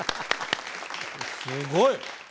すごい！